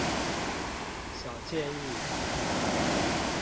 小建議